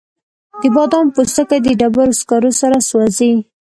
د بادامو پوستکي د ډبرو سکرو سره سوځي؟